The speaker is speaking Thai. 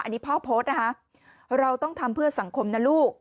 อันนี้พ่อโพสต์นะคะเราต้องทำเพื่อสังคมนะลูก